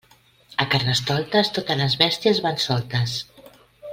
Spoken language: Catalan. A Carnestoltes totes les bèsties van soltes.